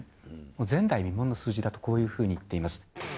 前代未聞の数字だと、こういうふうにいっています。